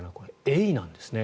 エイなんですね